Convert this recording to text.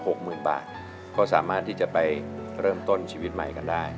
หกหมื่นบาทก็สามารถที่จะไปเริ่มต้นชีวิตใหม่กันได้